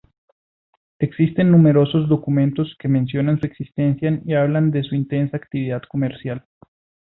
Existen numerosos documentos que mencionan su existencia y hablan de su intensa actividad comercial.